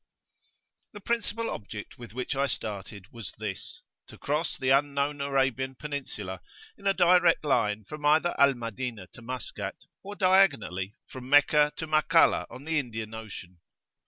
[p.3]The principal object with which I started was this: to cross the unknown Arabian Peninsula, in a direct line from either Al Madinah to Maskat, or diagonally from Meccah to Makallah on the Indian Ocean.